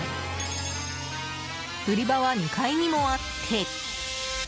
売り場は２階にもあって。